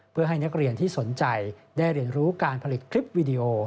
เพื่อให้นักเรียนที่สนใจได้เรียนรู้การผลิตคลิปวิดีโอ